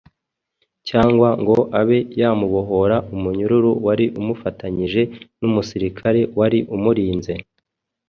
cyangwa ngo abe yamubohora umunyururu wari umufatanyije n’umusirikare wari umurinze.